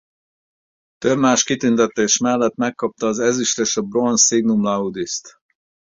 Több más kitüntetés mellett megkapta az ezüst és a bronz Signum Laudist.